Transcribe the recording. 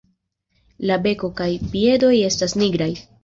La beko kaj piedoj estas nigraj.